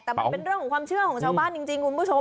แต่มันเป็นเรื่องของความเชื่อของชาวบ้านจริงคุณผู้ชม